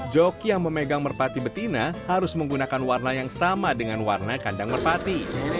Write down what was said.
joki yang memegang merpati betina harus menggunakan warna yang sama dengan warna kandang merpati